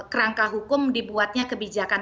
kerangka hukum dibuatnya kebijakan